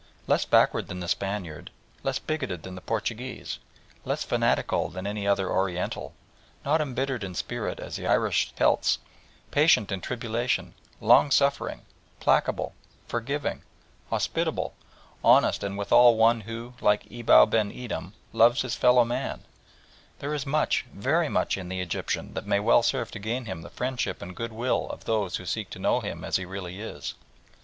Less backward than the Spaniard, less bigoted than the Portuguese, less fanatical than any other Oriental, not embittered in spirit as the Irish Celts, "patient in tribulation," "long suffering," placable, forgiving, hospitable; honest and withal one who, like Abou ben Edhem, loves his fellow men, there is much, very much, in the Egyptian that may well serve to gain him the friendship and goodwill of those who seek to know him as he really is.